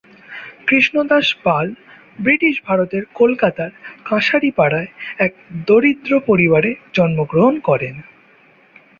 Krishnadas Pal British ভারতের কলকাতার কাঁসারিপাড়ায় এক দরিদ্র পরিবারে জন্ম গ্রহণ করেন।